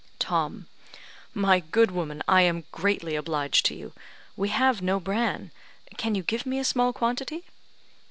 Tom: "My good woman, I am greatly obliged to you. We have no bran; can you give me a small quantity?"